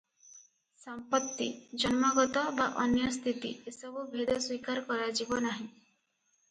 ସମ୍ପତ୍ତି, ଜନ୍ମଗତ ବା ଅନ୍ୟ ସ୍ଥିତି ଏସବୁ ଭେଦ ସ୍ୱୀକାର କରାଯିବ ନାହିଁ ।